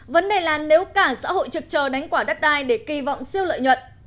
vấn đề là nếu cả xã hội trực chờ đánh quả đất đai để kỳ vọng siêu lợi nhuận